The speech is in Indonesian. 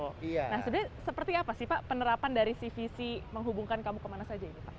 nah sebenarnya seperti apa sih pak penerapan dari si visi menghubungkan kamu kemana saja ini pak